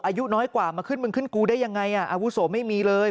อายุน้อยกว่ามาขึ้นมึงขึ้นกูได้ยังไงอาวุโสไม่มีเลย